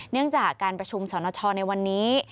เนื่องจากการประชุมสรณชอในวันนี้